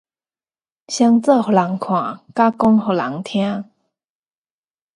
先做予人看，才講予人聽